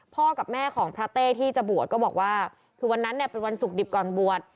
กับแม่ของพระเต้ที่จะบวชก็บอกว่าคือวันนั้นเนี่ยเป็นวันศุกร์ดิบก่อนบวช